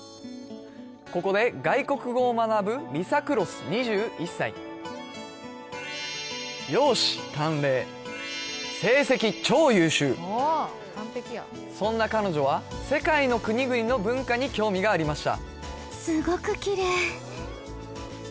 ここで外国語を学ぶリサ・クロス２１歳そんな彼女は世界の国々の文化に興味がありました